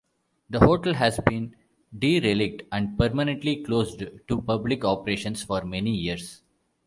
The Hotel has been derelict and permanently closed to public operations for many years.